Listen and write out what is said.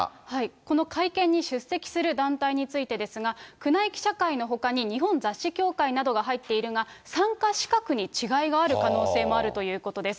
この会見に出席する団体についてですが、宮内記者会のほかに日本雑誌協会などが入っているが、参加資格に違いがある可能性もあるということです。